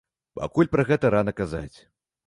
Пакуль пра гэта рана казаць.